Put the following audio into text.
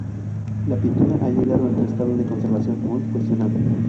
La pintura ha llegado en un estado de conservación muy cuestionado.